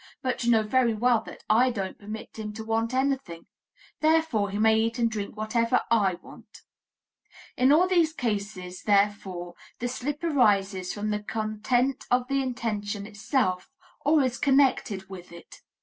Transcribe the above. But you know very well that I don't permit him to want anything; therefore he may eat and drink whatever I want." In all these cases, therefore, the slip arises from the content of the intention itself, or is connected with it.